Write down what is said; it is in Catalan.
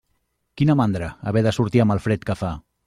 Quina mandra, haver de sortir amb el fred que fa.